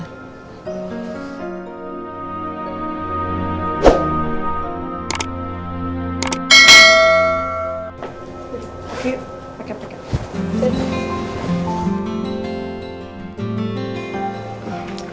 yuk pakai pakai